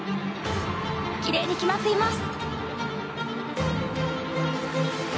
きれいに決まっています。